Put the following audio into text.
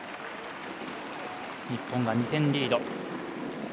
日本は２点リード。